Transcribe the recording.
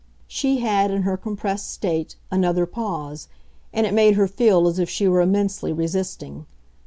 She had, in her compressed state, another pause, and it made her feel as if she were immensely resisting.